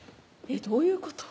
えっどういうこと？